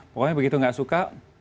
pokoknya begitu nggak suka